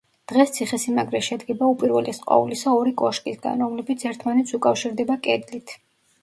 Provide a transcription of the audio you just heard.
დღეს ციხესიმაგრე შედგება უპირველეს ყოვლისა ორი კოშკისგან, რომლებიც ერთმანეთს უკავშირდება კედლით.